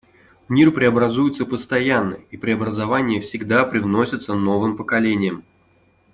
Мир преобразуется постоянно, и преобразования всегда привносятся новым поколением.